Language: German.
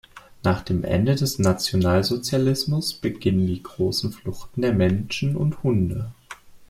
Nach dem Ende des Nationalsozialismus beginnen die großen Fluchten der Menschen und Hunde.